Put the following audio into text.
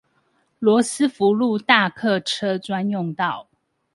羅斯福路大客車專用道